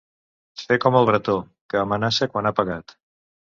Fer com el Bretó: que amenaça quan ha pegat.